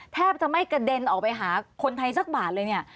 แทบจะไม่กระเด็นออกไปหาคนไทยสักบาทเลยเนี่ย